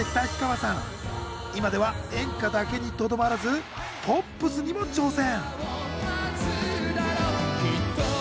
今では演歌だけにとどまらずポップスにも挑戦！